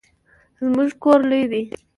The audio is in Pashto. زموږ کور لوی دی